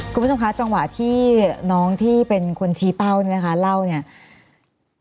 คุณผู้ชมคะจังหวะที่น้องที่เป็นคนชี้เป้าเนี่ยนะคะเล่าเนี่ย